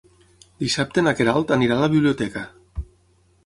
Dissabte na Queralt anirà a la biblioteca.